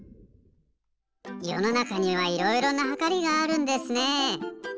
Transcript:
よのなかにはいろいろなはかりがあるんですね。